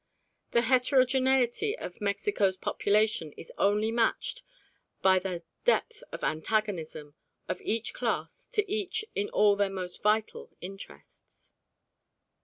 The heterogeneity of Mexico's population is only matched by the depth of the antagonism of each class to each in all their most vital interests.